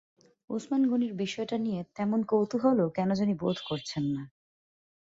ওসমান গনির বিষয়টা নিয়ে তেমন কৌতূহলও কেন জানি বোধ করছেন না।